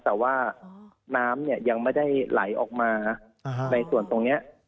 แต่ว่าน้ำเนี่ยยังไม่ได้ไหลออกมาในส่วนตรงนี้